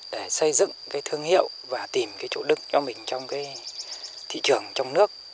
để xây dựng thương hiệu và tìm chủ đức cho mình trong thị trường trong nước